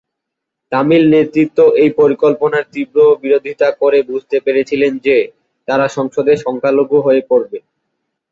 তামিল নেতৃত্ব এই পরিকল্পনার তীব্র বিরোধিতা করে বুঝতে পেরেছিলেন যে তারা সংসদে সংখ্যালঘু হয়ে পড়বে।